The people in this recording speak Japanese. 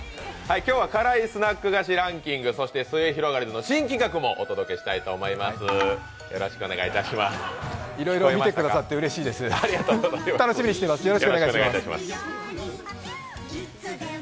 今日は辛いスナック菓子ランキングそしてすゑひろがりずの新企画もお届けします。